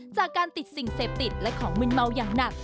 จากการติดสิ่งเสพติดและของมืนเมาอย่างหนัก